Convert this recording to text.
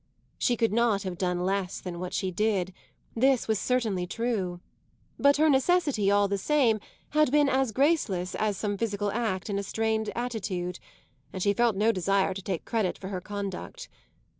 She could not have done less than what she did; this was certainly true. But her necessity, all the same, had been as graceless as some physical act in a strained attitude, and she felt no desire to take credit for her conduct.